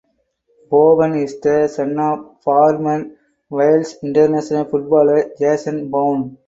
Bowen is the son of former Wales international footballer Jason Bowen.